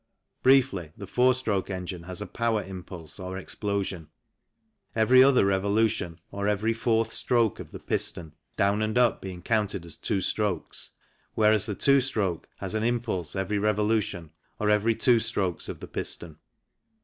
Briefly, the four stroke engine has a power impulse, or explosion, every other revolution or every fourth stroke of the piston (down and up being counted as two strokes), whereas the two stroke has an impulse every revolution or every two strokes of the piston.